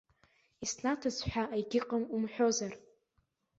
Иснаҭаз ҳәа егьыҟам умҳәозар!